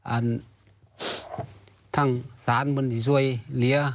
อาทห์ตังค์สานบันที่สุย